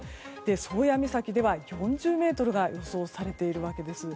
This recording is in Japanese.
宗谷岬では４０メートルが予想されているわけです。